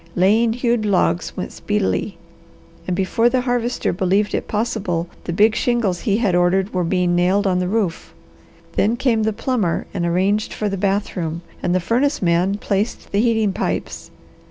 Laying hewed logs went speedily, and before the Harvester believed it possible the big shingles he had ordered were being nailed on the roof. Then came the plumber and arranged for the bathroom, and the furnace man placed the heating pipes.